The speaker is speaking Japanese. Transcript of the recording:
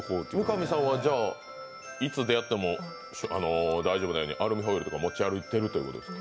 三上さんはいつ出会っても大丈夫なようにアルミホイルとか持ち歩いてるんですか？